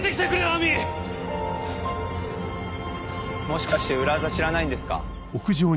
もしかして裏技知らないんですか？